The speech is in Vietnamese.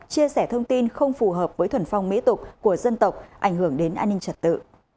chia sẻ thông tin không phù hợp với thuần phong mỹ tục của dân tộc ảnh hưởng đến an ninh trật tự